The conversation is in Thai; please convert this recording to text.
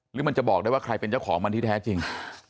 หรือมันจะบอกได้ว่าใครเป็นเจ้าของมันที่แท้จริง